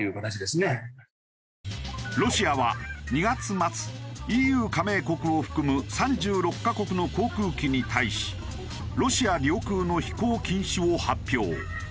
ロシアは２月末ＥＵ加盟国を含む３６カ国の航空機に対しロシア領空の飛行禁止を発表。